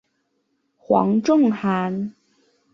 黄仲涵。